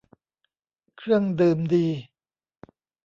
เครื่องดื่มดี